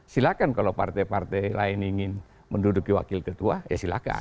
silahkan kalau partai partai lain ingin menduduki wakil ketua ya silahkan